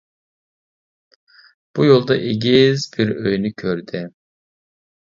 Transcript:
بۇ يولدا ئېگىز بىر ئۆينى كۆردى.